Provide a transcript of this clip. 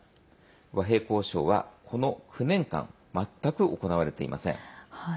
和平交渉は、この９年間全く行われていません。